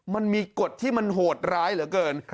มันมีกฎที่มันโหดร้ายเหลือเกิน